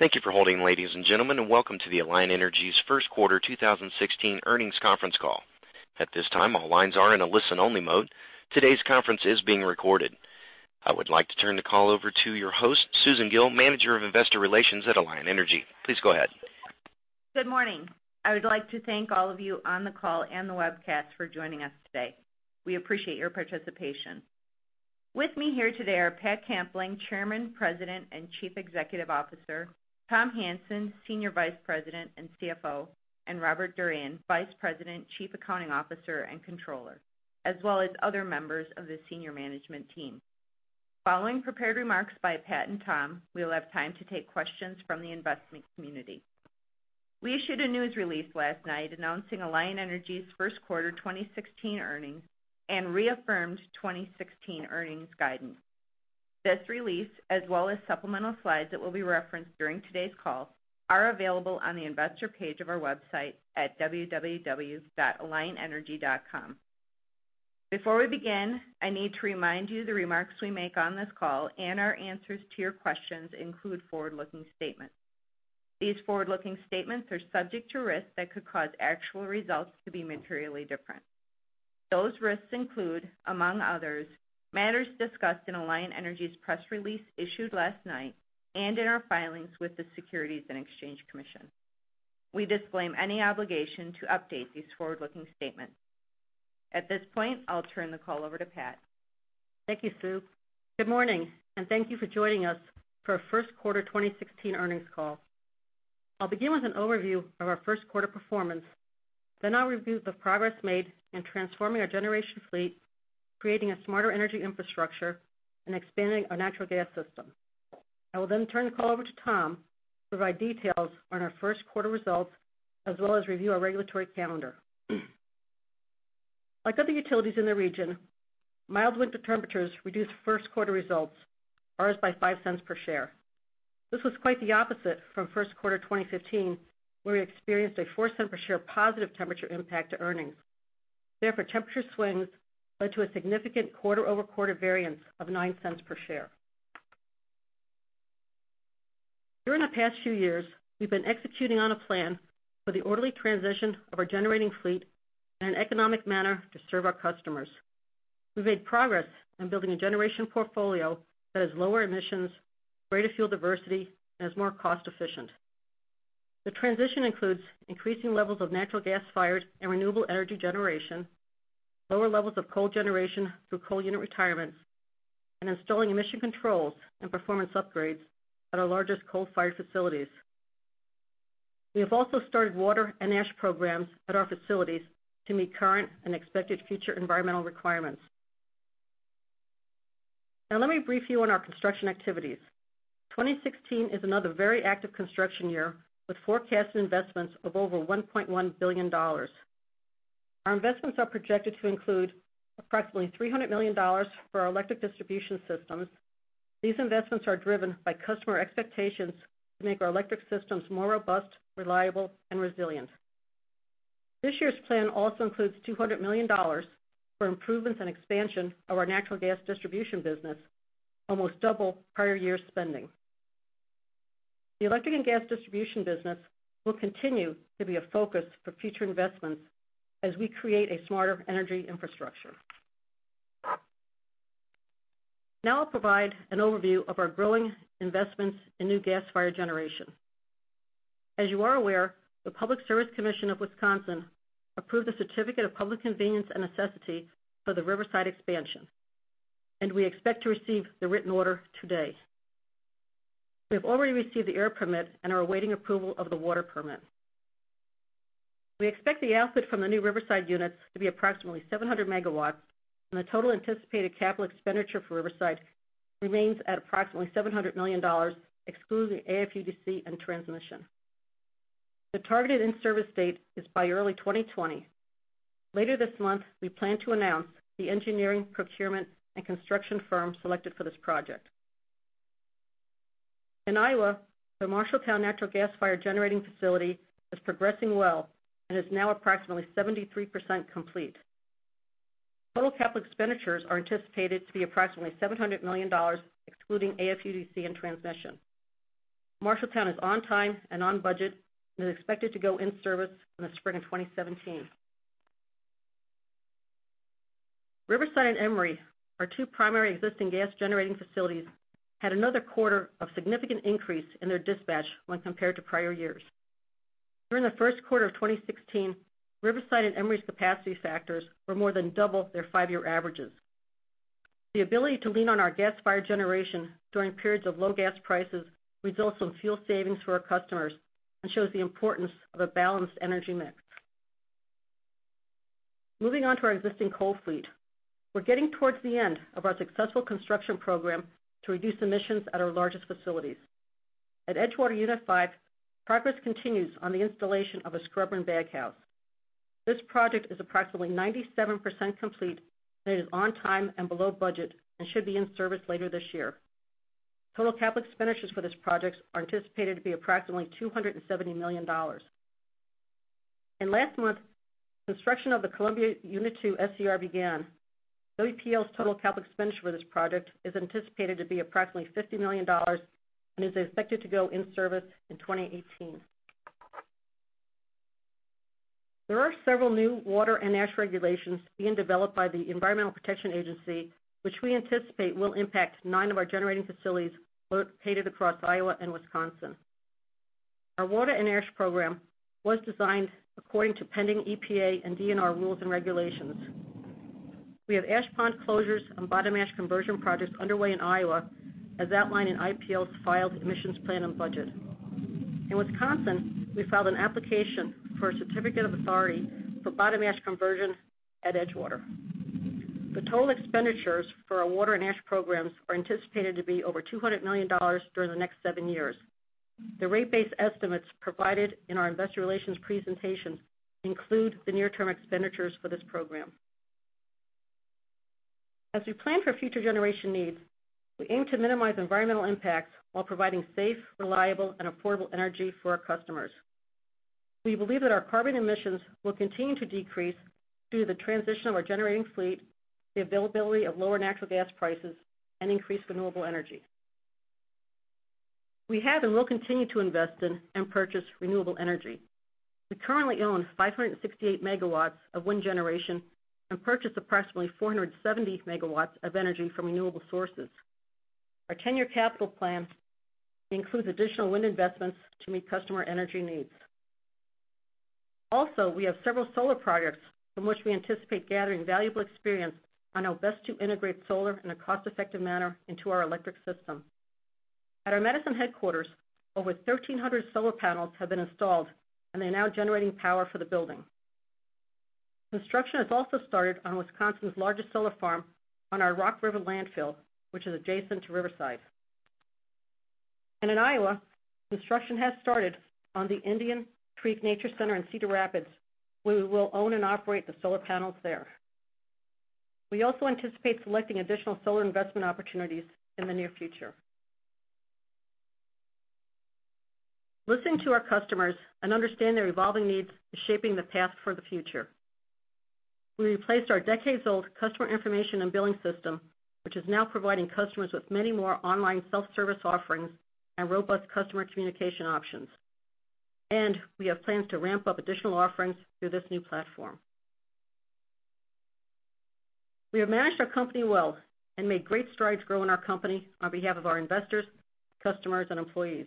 Thank you for holding, ladies and gentlemen, and welcome to Alliant Energy's first quarter 2016 earnings conference call. At this time, all lines are in a listen-only mode. Today's conference is being recorded. I would like to turn the call over to your host, Susan Gille, Manager of Investor Relations at Alliant Energy. Please go ahead. Good morning. I would like to thank all of you on the call and the webcast for joining us today. We appreciate your participation. With me here today are Patricia Kampling, Chairman, President, and Chief Executive Officer, Tom Hanson, Senior Vice President and CFO, and Robert Durian, Vice President, Chief Accounting Officer, and Controller, as well as other members of the senior management team. Following prepared remarks by Pat and Tom, we'll have time to take questions from the investment community. We issued a news release last night announcing Alliant Energy's first quarter 2016 earnings and reaffirmed 2016 earnings guidance. This release, as well as supplemental slides that will be referenced during today's call, are available on the investor page of our website at www.alliantenergy.com. Before we begin, I need to remind you the remarks we make on this call and our answers to your questions include forward-looking statements. These forward-looking statements are subject to risks that could cause actual results to be materially different. Those risks include, among others, matters discussed in Alliant Energy's press release issued last night and in our filings with the Securities and Exchange Commission. We disclaim any obligation to update these forward-looking statements. At this point, I'll turn the call over to Pat. Thank you, Sue. Good morning, and thank you for joining us for our first quarter 2016 earnings call. I'll begin with an overview of our first quarter performance. I'll review the progress made in transforming our generation fleet, creating a smarter energy infrastructure, and expanding our natural gas system. I will then turn the call over to Tom to provide details on our first quarter results, as well as review our regulatory calendar. Like other utilities in the region, mild winter temperatures reduced first quarter results, ours by $0.05 per share. This was quite the opposite from first quarter 2015, where we experienced a $0.04 per share positive temperature impact to earnings. Temperature swings led to a significant quarter-over-quarter variance of $0.09 per share. During the past few years, we've been executing on a plan for the orderly transition of our generating fleet in an economic manner to serve our customers. We've made progress in building a generation portfolio that has lower emissions, greater fuel diversity, and is more cost-efficient. The transition includes increasing levels of natural gas-fired and renewable energy generation, lower levels of coal generation through coal unit retirements, and installing emission controls and performance upgrades at our largest coal-fired facilities. We have also started water and ash programs at our facilities to meet current and expected future environmental requirements. Now let me brief you on our construction activities. 2016 is another very active construction year, with forecasted investments of over $1.1 billion. Our investments are projected to include approximately $300 million for our electric distribution systems. These investments are driven by customer expectations to make our electric systems more robust, reliable, and resilient. This year's plan also includes $200 million for improvements and expansion of our natural gas distribution business, almost double prior year spending. The electric and gas distribution business will continue to be a focus for future investments as we create a smarter energy infrastructure. Now I'll provide an overview of our growing investments in new gas-fired generation. As you are aware, the Public Service Commission of Wisconsin approved the Certificate of Public Convenience and Necessity for the Riverside expansion, and we expect to receive the written order today. We have already received the air permit and are awaiting approval of the water permit. We expect the output from the new Riverside units to be approximately 700 MW, and the total anticipated Capital Expenditure for Riverside remains at approximately $700 million, excluding AFUDC and transmission. The targeted in-service date is by early 2020. Later this month, we plan to announce the engineering, procurement, and construction firm selected for this project. In Iowa, the Marshalltown natural gas-fired generating facility is progressing well and is now approximately 73% complete. Total Capital Expenditures are anticipated to be approximately $700 million, excluding AFUDC and transmission. Marshalltown is on time and on budget and is expected to go in service in the spring of 2017. Riverside and Emery, our two primary existing gas-generating facilities, had another quarter of significant increase in their dispatch when compared to prior years. During the first quarter of 2016, Riverside and Emery's capacity factors were more than double their five-year averages. The ability to lean on our gas-fired generation during periods of low gas prices results in fuel savings for our customers and shows the importance of a balanced energy mix. Moving on to our existing coal fleet. We're getting towards the end of our successful construction program to reduce emissions at our largest facilities. At Edgewater Unit 5, progress continues on the installation of a scrubber and baghouse. This project is approximately 97% complete, it is on time and below budget and should be in service later this year. Total Capital Expenditures for this project are anticipated to be approximately $270 million. Last month, construction of the Columbia Unit 2 SCR began. WPL's total Capital Expenditure for this project is anticipated to be approximately $50 million and is expected to go in service in 2018. There are several new water and ash regulations being developed by the Environmental Protection Agency, which we anticipate will impact nine of our generating facilities located across Iowa and Wisconsin. Our water and ash program was designed according to pending EPA and DNR rules and regulations. We have ash pond closures and bottom ash conversion projects underway in Iowa, as outlined in IPL's filed emissions plan and budget. In Wisconsin, we filed an application for a Certificate of Authority for bottom ash conversion at Edgewater. The total expenditures for our water and ash programs are anticipated to be over $200 million during the next seven years. The rate base estimates provided in our investor relations presentation include the near-term expenditures for this program. As we plan for future generation needs, we aim to minimize environmental impact while providing safe, reliable, and affordable energy for our customers. We believe that our carbon emissions will continue to decrease due to the transition of our generating fleet, the availability of lower natural gas prices, and increased renewable energy. We have and will continue to invest in and purchase renewable energy. We currently own 568 MW of wind generation and purchase approximately 470 MW of energy from renewable sources. Our 10-year capital plan includes additional wind investments to meet customer energy needs. We have several solar projects from which we anticipate gathering valuable experience on how best to integrate solar in a cost-effective manner into our electric system. At our Madison headquarters, over 1,300 solar panels have been installed, and they're now generating power for the building. Construction has also started on Wisconsin's largest solar farm on our Rock River landfill, which is adjacent to Riverside. In Iowa, construction has started on the Indian Creek Nature Center in Cedar Rapids, where we will own and operate the solar panels there. We also anticipate selecting additional solar investment opportunities in the near future. Listening to our customers and understanding their evolving needs is shaping the path for the future. We replaced our decades-old customer information and billing system, which is now providing customers with many more online self-service offerings and robust customer communication options. We have plans to ramp up additional offerings through this new platform. We have managed our company well and made great strides growing our company on behalf of our investors, customers, and employees.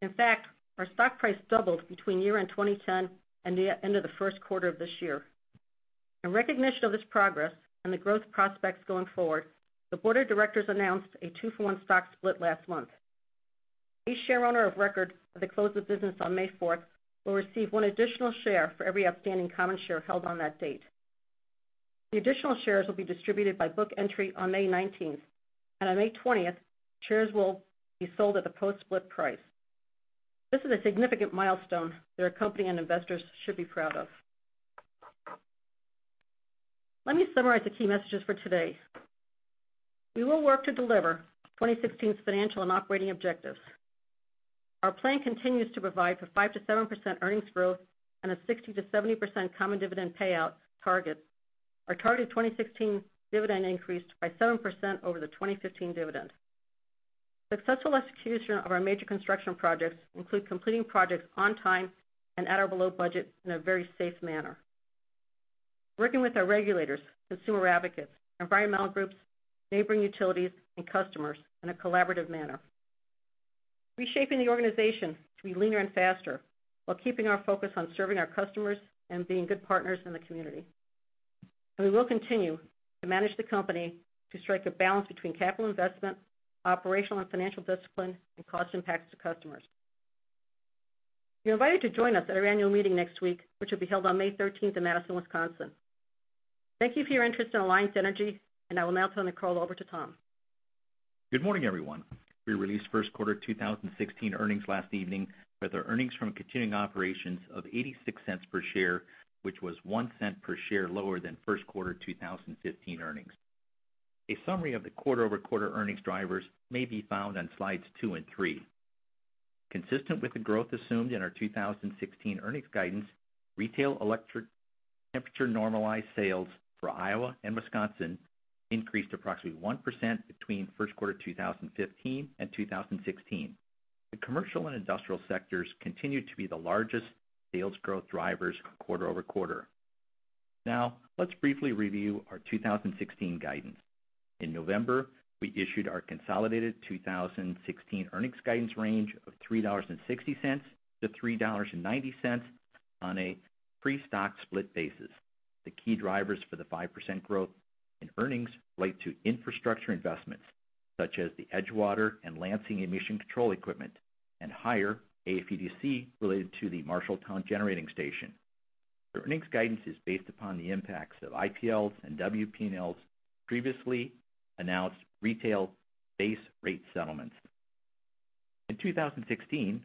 In fact, our stock price doubled between year-end 2010 and the end of the first quarter of this year. In recognition of this progress and the growth prospects going forward, the board of directors announced a two-for-one stock split last month. Each share owner of record at the close of business on May 4th will receive one additional share for every outstanding common share held on that date. The additional shares will be distributed by book entry on May 19th, and on May 20th, shares will be sold at the post-split price. This is a significant milestone that our company and investors should be proud of. Let me summarize the key messages for today. We will work to deliver 2016's financial and operating objectives. Our plan continues to provide for 5%-7% earnings growth and a 60%-70% common dividend payout target. Our target 2016 dividend increased by 7% over the 2015 dividend. Successful execution of our major construction projects include completing projects on time and at or below budget in a very safe manner. Working with our regulators, consumer advocates, environmental groups, neighboring utilities, and customers in a collaborative manner. Reshaping the organization to be leaner and faster while keeping our focus on serving our customers and being good partners in the community. We will continue to manage the company to strike a balance between capital investment, operational and financial discipline, and cost impacts to customers. You're invited to join us at our annual meeting next week, which will be held on May 13th in Madison, Wisconsin. Thank you for your interest in Alliant Energy, and I will turn the call over to Tom. Good morning, everyone. We released first quarter 2016 earnings last evening with our earnings from continuing operations of $0.86 per share, which was $0.01 per share lower than first quarter 2015 earnings. A summary of the quarter-over-quarter earnings drivers may be found on slides two and three. Consistent with the growth assumed in our 2016 earnings guidance, retail electric temperature normalized sales for Iowa and Wisconsin increased approximately 1% between first quarter 2015 and 2016. The commercial and industrial sectors continue to be the largest sales growth drivers quarter-over-quarter. Let's briefly review our 2016 guidance. In November, we issued our consolidated 2016 earnings guidance range of $3.60 to $3.90 on a pre-stock split basis. The key drivers for the 5% growth in earnings relate to infrastructure investments, such as the Edgewater and Lansing emission control equipment and higher AFUDC related to the Marshalltown Generating Station. The earnings guidance is based upon the impacts of IPL's and WPL's previously announced retail base rate settlements. In 2016,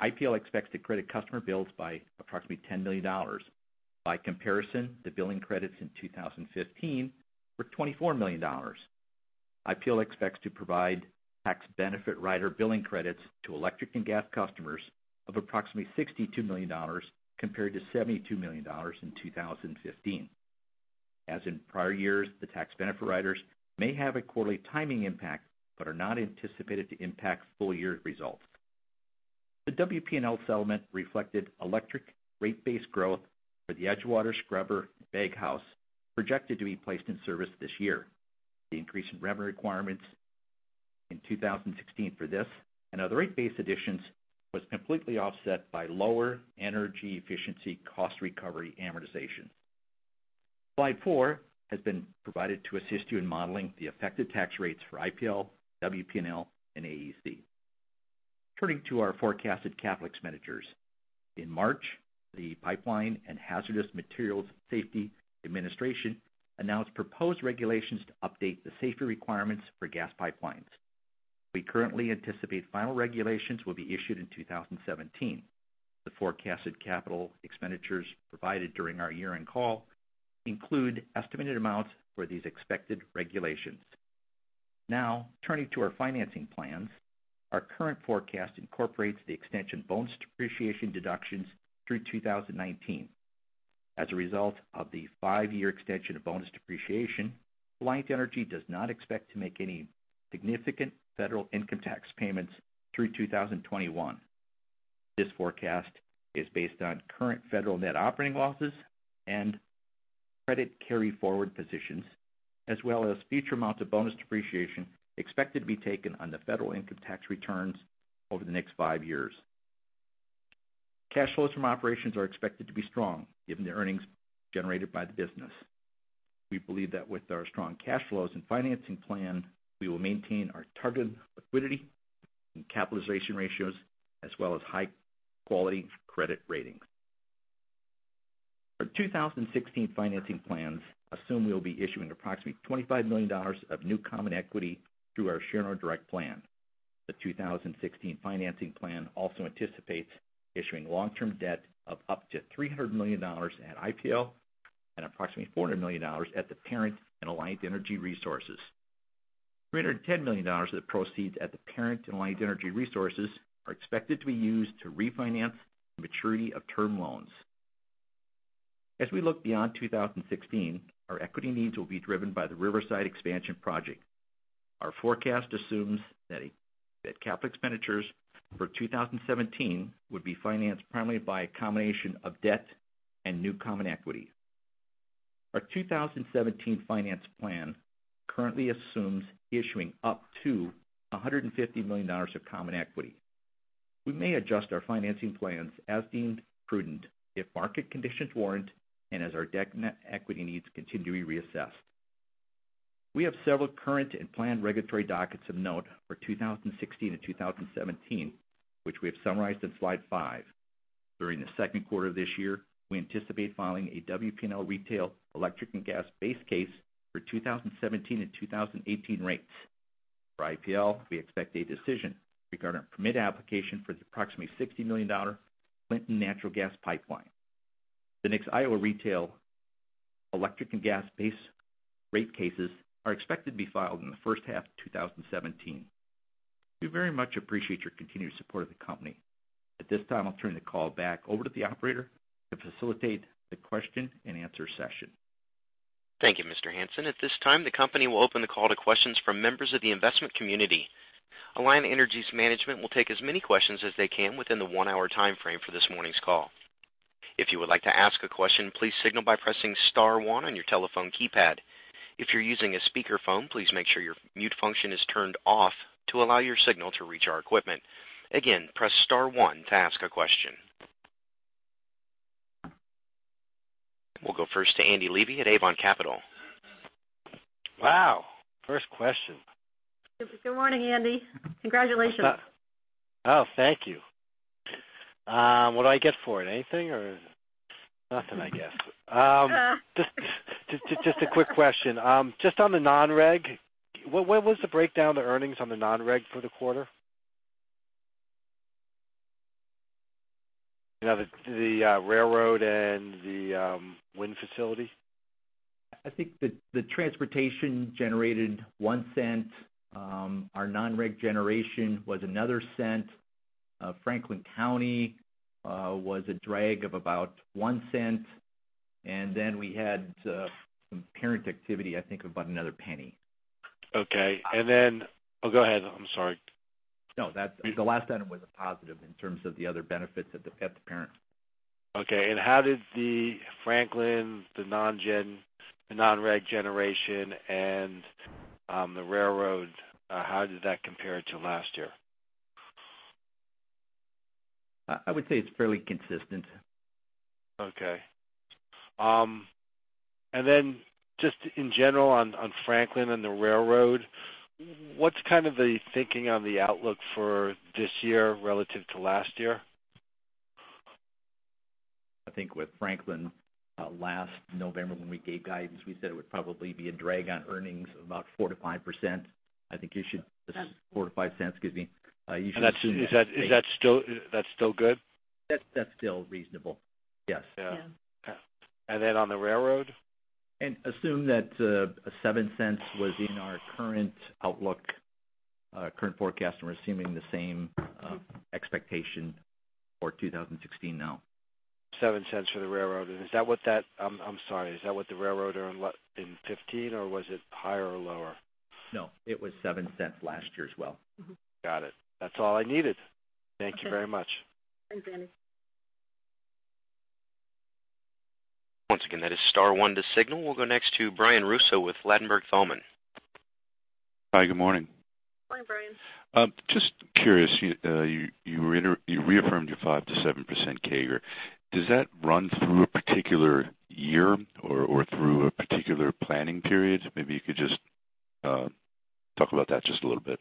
IPL expects to credit customer bills by approximately $10 million. By comparison, the billing credits in 2015 were $24 million. IPL expects to provide tax benefit rider billing credits to electric and gas customers of approximately $62 million compared to $72 million in 2015. As in prior years, the tax benefit riders may have a quarterly timing impact but are not anticipated to impact full-year results. The WPL settlement reflected electric rate base growth for the Edgewater scrubber baghouse projected to be placed in service this year. The increase in revenue requirements in 2016 for this and other rate base additions was completely offset by lower energy efficiency cost recovery amortization. Slide four has been provided to assist you in modeling the effective tax rates for IPL, WPL, and AEC. Turning to our forecasted CapEx expenditures. In March, the Pipeline and Hazardous Materials Safety Administration announced proposed regulations to update the safety requirements for gas pipelines. We currently anticipate final regulations will be issued in 2017. The forecasted capital expenditures provided during our year-end call include estimated amounts for these expected regulations. Turning to our financing plans. Our current forecast incorporates the extension bonus depreciation deductions through 2019. As a result of the five-year extension of bonus depreciation, Alliant Energy does not expect to make any significant federal income tax payments through 2021. This forecast is based on current federal net operating losses and credit carryforward positions, as well as future amounts of bonus depreciation expected to be taken on the federal income tax returns over the next five years. Cash flows from operations are expected to be strong given the earnings generated by the business. We believe that with our strong cash flows and financing plan, we will maintain our target liquidity and capitalization ratios as well as high-quality credit ratings. Our 2016 financing plans assume we will be issuing approximately $25 million of new common equity through our share owner direct plan. The 2016 financing plan also anticipates issuing long-term debt of up to $300 million at IPL and approximately $400 million at the parent in Alliant Energy Resources. $310 million of the proceeds at the parent in Alliant Energy Resources are expected to be used to refinance maturity of term loans. As we look beyond 2016, our equity needs will be driven by the Riverside expansion project. Our forecast assumes that capital expenditures for 2017 would be financed primarily by a combination of debt and new common equity. Our 2017 finance plan currently assumes issuing up to $150 million of common equity. We may adjust our financing plans as deemed prudent if market conditions warrant and as our debt net equity needs continue to be reassessed. We have several current and planned regulatory dockets of note for 2016 and 2017, which we have summarized in slide five. During the second quarter of this year, we anticipate filing a WPL retail electric and gas base case for 2017 and 2018 rates. For IPL, we expect a decision regarding a permit application for the approximately $60 million Clinton natural gas pipeline. The next Iowa retail electric and gas base rate cases are expected to be filed in the first half of 2017. We very much appreciate your continued support of the company. At this time, I will turn the call back over to the operator to facilitate the question-and-answer session. Thank you, Mr. Hanson. At this time, the company will open the call to questions from members of the investment community. Alliant Energy's management will take as many questions as they can within the 1-hour timeframe for this morning's call. If you would like to ask a question, please signal by pressing *1 on your telephone keypad. If you are using a speakerphone, please make sure your mute function is turned off to allow your signal to reach our equipment. Again, press *1 to ask a question. We will go first to Andy Levy at Avon Capital. Wow. First question. Good morning, Andy. Congratulations. Oh, thank you. What do I get for it? Anything or nothing, I guess. Just a quick question. Just on the non-reg, what was the breakdown to earnings on the non-reg for the quarter? The railroad and the wind facility. I think the transportation generated $0.01. Our non-reg generation was another $0.01. Franklin County was a drag of about $0.01. Then we had some parent activity, I think, of about another $0.01. Okay. Then Oh, go ahead. I'm sorry. No. The last item was a positive in terms of the other benefits at the parent. Okay. How did the Franklin, the non-reg generation, and the railroad, how did that compare to last year? I would say it's fairly consistent. Okay. Just in general on Franklin and the railroad, what's kind of the thinking on the outlook for this year relative to last year? I think with Franklin, last November when we gave guidance, we said it would probably be a drag on earnings of about 4%-5%. I think you should- Cents. $0.04-$0.05, excuse me. You should assume that- Is that still good? That's still reasonable. Yes. Yeah. Then on the railroad? Assume that $0.07 was in our current outlook, current forecast, and we're assuming the same expectation for 2016 now. $0.07 for the railroad. I'm sorry, is that what the railroad are in 2015, or was it higher or lower? No, it was $0.07 last year as well. Got it. That's all I needed. Thank you very much. Okay. Thanks, Andy. Once again, that is star one to signal. We'll go next to Brian Russo with Ladenburg Thalmann. Hi, good morning. Morning, Brian. Just curious, you reaffirmed your 5%-7% CAGR. Does that run through a particular year or through a particular planning period? Maybe you could just talk about that just a little bit.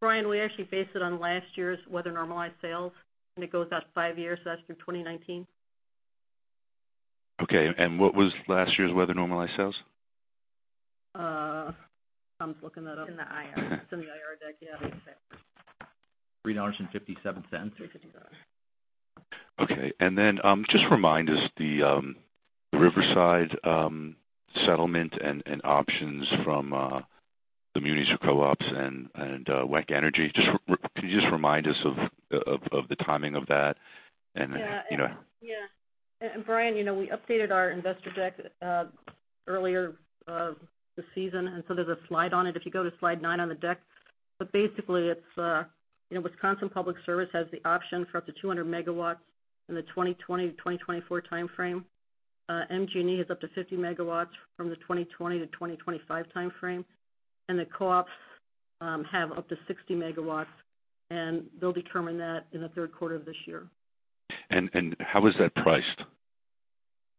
Brian, we actually based it on last year's weather-normalized sales, and it goes out five years, that's through 2019. What was last year's weather-normalized sales? Tom's looking that up. It's in the IR deck. It's in the IR deck, yeah. $3.57 $3.50 Okay. Then, just remind us, the Riverside settlement and options from the munis or co-ops and WEC Energy, could you just remind us of the timing of that? Yeah. Brian, we updated our investor deck earlier this season, so there's a slide on it. If you go to slide nine on the deck. Basically, Wisconsin Public Service has the option for up to 200 MW in the 2020 to 2024 timeframe. MGE is up to 50 MW from the 2020 to 2025 timeframe. The co-ops have up to 60 MW, and they'll determine that in the third quarter of this year. How is that priced?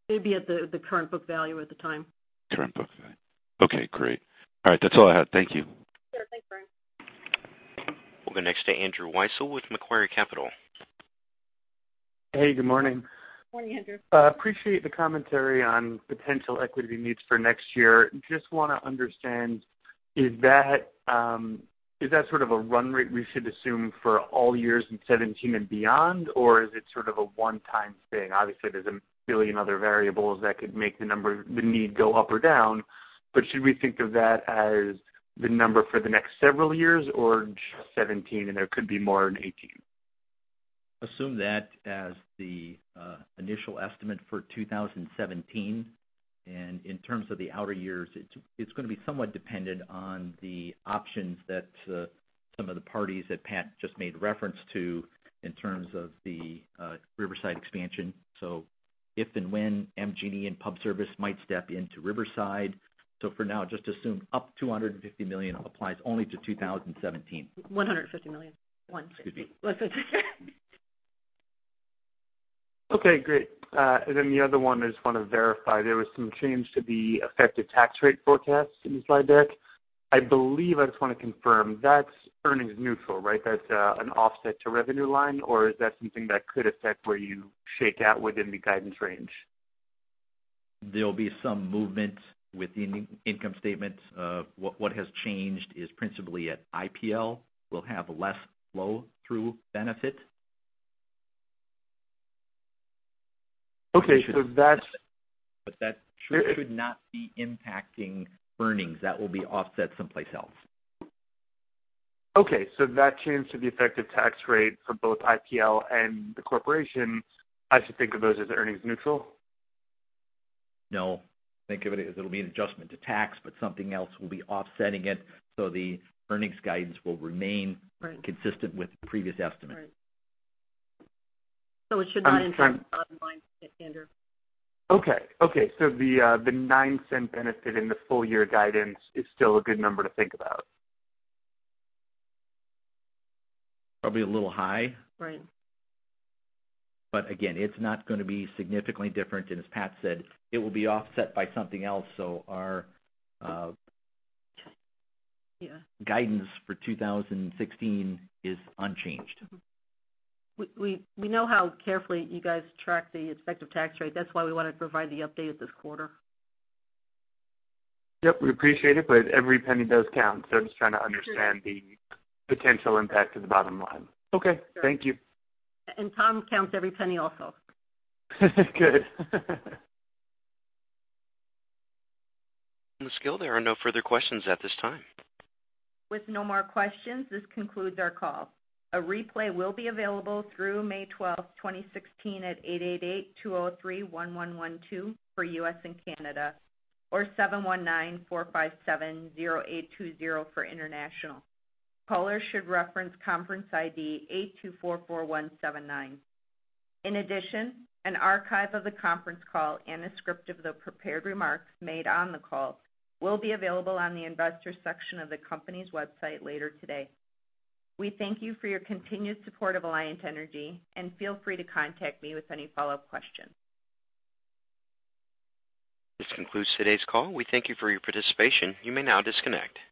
It'd be at the current book value at the time. Current book value. Okay, great. All right. That's all I had. Thank you. Sure. Thanks, Brian. We'll go next to Andrew Weisel with Macquarie Capital. Hey, good morning. Morning, Andrew Weisel. Appreciate the commentary on potential equity needs for next year. Just want to understand, is that sort of a run rate we should assume for all years in 2017 and beyond? Or is it sort of a one-time thing? Obviously, there's a billion other variables that could make the need go up or down, but should we think of that as the number for the next several years or just 2017, and there could be more in 2018? Assume that as the initial estimate for 2017. In terms of the outer years, it's going to be somewhat dependent on the options that some of the parties that Pat Kampling just made reference to in terms of the Riverside expansion. If and when MGE and Pub Service might step into Riverside. For now, just assume $250 million applies only to 2017. $150 million. $150. Excuse me. Okay, great. The other one, I just want to verify, there was some change to the effective tax rate forecast in the slide deck. I believe, I just want to confirm, that's earnings neutral, right? That's an offset to revenue line or is that something that could affect where you shake out within the guidance range? There'll be some movement within income statements. What has changed is principally at IPL, we'll have less flow-through benefit. Okay. That should not be impacting earnings. That will be offset someplace else. Okay. That change to the effective tax rate for both IPL and the corporation, I should think of those as earnings neutral? No. Think of it as it'll be an adjustment to tax, but something else will be offsetting it, so the earnings guidance will remain. Right Consistent with previous estimates. Right. It should not impact bottom line, Andrew. Okay. The $0.09 benefit in the full-year guidance is still a good number to think about? Probably a little high. Right. Again, it's not going to be significantly different, and as Pat said, it will be offset by something else. Yeah guidance for 2016 is unchanged. We know how carefully you guys track the effective tax rate. That's why we wanted to provide the update this quarter. Yep, we appreciate it. Every penny does count, I'm just trying to understand the potential impact to the bottom line. Okay, thank you. Tom counts every penny also. Good. Ms. Gille, there are no further questions at this time. With no more questions, this concludes our call. A replay will be available through May 12th, 2016, at 888-203-1112 for U.S. and Canada or 719-457-0820 for international. Callers should reference conference ID 8244179. In addition, an archive of the conference call and a script of the prepared remarks made on the call will be available on the investors section of the company's website later today. We thank you for your continued support of Alliant Energy. Feel free to contact me with any follow-up questions. This concludes today's call. We thank you for your participation. You may now disconnect.